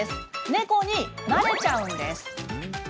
猫になれちゃうんです。